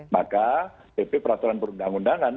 maka pp peraturan perundang undangan